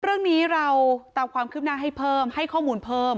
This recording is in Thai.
เรื่องนี้เราตามความคืบหน้าให้เพิ่มให้ข้อมูลเพิ่ม